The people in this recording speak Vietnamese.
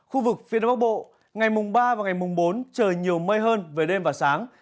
khu vực phía đông bắc bộ ngày mùng ba và ngày mùng bốn trời nhiều mây hơn về đêm và sáng